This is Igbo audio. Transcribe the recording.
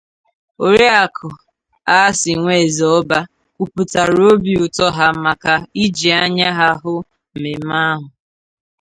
Oriakụ Aghasinweze Obah kwupụtàrà obi ụtọ ha maka iji anya ha hụ mmemme ahụ